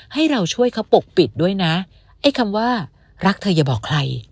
ให้เราช่วยเขาปกปิดด้วยนะไอ้คำว่ารักเธออย่าบอกใคร